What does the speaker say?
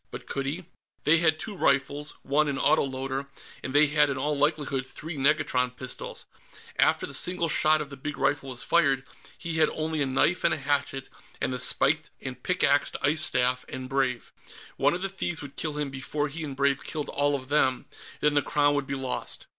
But could he? They had two rifles, one an autoloader, and they had in all likelihood three negatron pistols. After the single shot of the big rifle was fired, he had only a knife and a hatchet and the spiked and pickaxed ice staff, and Brave. One of the thieves would kill him before he and Brave killed all of them, and then the Crown would be lost.